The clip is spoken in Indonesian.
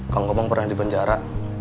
kang gobang pernah di penjara